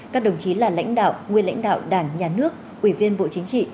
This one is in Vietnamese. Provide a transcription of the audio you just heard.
các đồng chí là lãnh đạo nguyên lãnh đạo đảng nhà nước ủy viên bộ chính trị